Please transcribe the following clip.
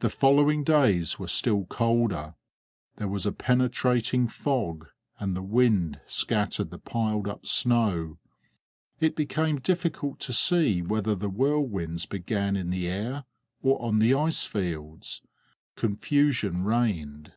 The following days were still colder; there was a penetrating fog, and the wind scattered the piled up snow; it became difficult to see whether the whirlwinds began in the air or on the ice fields; confusion reigned.